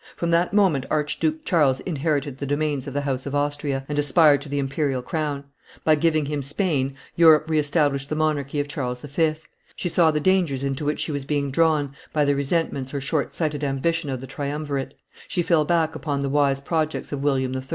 From that moment Archduke Charles inherited the domains of the house of Austria, and aspired to the imperial crown; by giving him Spain, Europe re established the monarchy of Charles V.; she saw the dangers into which she was being drawn by the resentments or short sighted ambition of the triumvirate; she fell back upon the wise projects of William III.